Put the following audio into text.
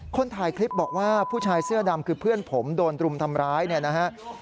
คนถ่ายคลิปบอกว่าผู้ชายเสื้อดำคือเพื่อนผมโดนรุมทำร้ายเนี่ยนะฮะ